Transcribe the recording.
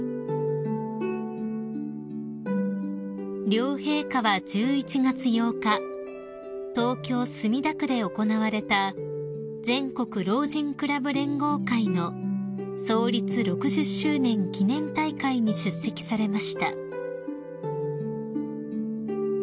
［両陛下は１１月８日東京墨田区で行われた全国老人クラブ連合会の創立６０周年記念大会に出席されました］